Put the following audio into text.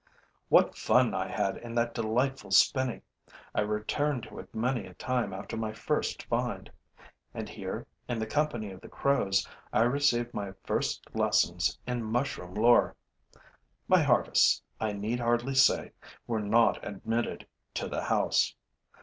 What fun I had in that delightful spinney! I returned to it many a time after my first find; and here, in the company of the crows, I received my first lessons in mushroom lore. My harvests, I need hardly say, were not admitted to the house.